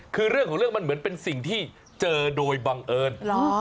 คือเรื่องของเรื่องมันเหมือนเป็นสิ่งที่เจอโดยบังเอิญ